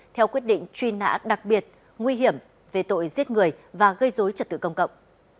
theo quyết định truy nã đặc biệt nguy hiểm về tội giết người và gây dối trật tự công cộng